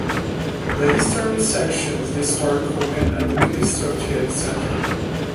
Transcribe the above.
The eastern section is the historical and administrative center.